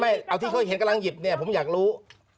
เอาที่เขาเห็นกำลังหยิบเนี่ยผมอยากรู้